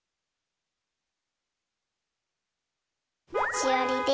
しおりです。